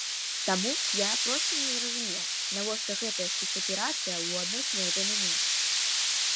Таму я проста не зразумеў, навошта гэтая спецаперацыя ў адносінах да мяне.